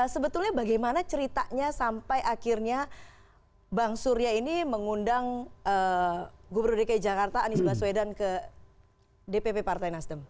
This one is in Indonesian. sebetulnya bagaimana ceritanya sampai akhirnya bang surya ini mengundang gubernur dki jakarta anies baswedan ke dpp partai nasdem